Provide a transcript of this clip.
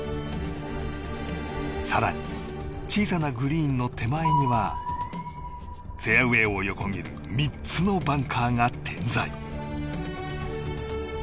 更に、小さなグリーンの手前にはフェアウェーを横切る３つのバンカーが点在。